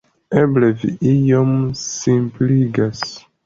Eble vi iom simpligas.